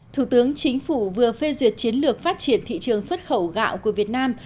thủ tướng chính phủ vừa phê duyệt chiến lược phát triển thị trường xuất khẩu gạo của việt nam